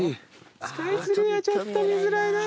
スカイツリーはちょっと見づらいな。